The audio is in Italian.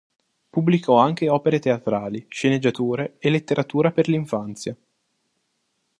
Pubblicò anche opere teatrali, sceneggiature e letteratura per l'infanzia.